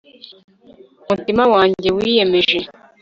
mutima wanjye wiyemeje